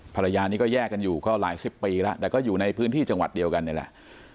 ภรรยานี้ก็แยกกันอยู่ก็หลายสิบปีแล้วแต่ก็อยู่ในพื้นที่จังหวัดเดียวกันนี่แหละ